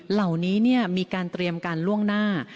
เหล่านี้มีการเตรียมการล่วงหน้า